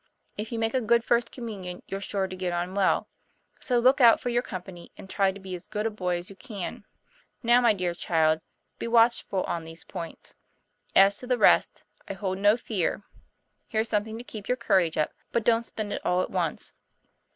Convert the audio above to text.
If you make a good First Communion, you're sure to get on well ; so look out for your company, and try to be as good a boy as you can. Now, my dear child, be watchful on these points. As to the rest, I hold no fear. Here's something to keep your courage up but don't spend it all at once."